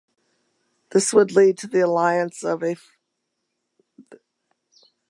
This would lead to the formation of an alliance between Kalisto and Metalik.